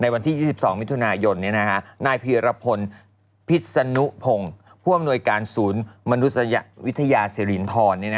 วันที่๒๒มิถุนาย่อนณผิระพลภิสนุภงภวรรณวยการศูนย์มนุษยวิทยาศิรินทร